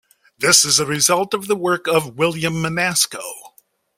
This is a result of the work of William Menasco.